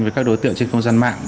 với các đối tượng trên không gian mạng